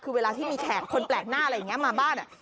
คือเวลาที่มีแขกคนแปลกหน้าอะไรอย่างนี้มาบ้าน